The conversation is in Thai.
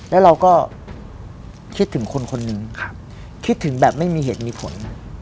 แล้วเราก็คิดถึงคนคนหนึ่งคิดถึงแบบไม่มีเหตุมีผล